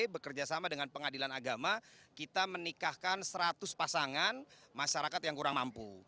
bekerja sama dengan pengadilan agama kita menikahkan seratus pasangan masyarakat yang kurang mampu